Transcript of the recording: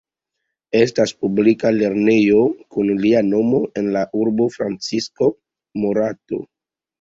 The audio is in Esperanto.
Estas publika lernejo kun lia nomo en la urbo Francisco Morato.